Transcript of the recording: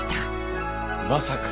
まさか。